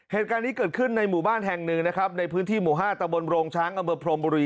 เหตุการณ์นี้เกิดขึ้นในหมู่บ้านแห่งหนึ่งนะครับในพื้นที่หมู่๕ตะบนโรงช้างอำเภอพรมบุรี